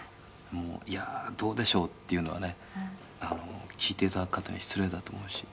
いやあ、どうでしょうっていうのはね聴いて頂く方に失礼だと思うし。